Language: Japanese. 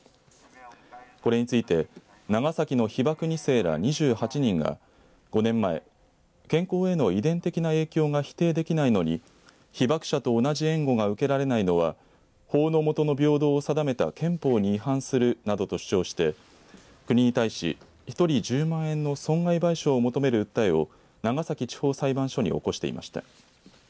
これについて長崎の被爆２世ら２８人が５年前健康への遺伝的な影響が否定できないのに被爆者と同じ援護が受けられないのは法の下の平等を定めた憲法に違反するなどと主張して国に対し一人１０万円の損害賠償を求める訴えを長崎地方裁判所に起こしていました。